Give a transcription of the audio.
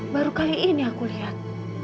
baru kali ini aku lihat